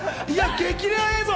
激レア映像！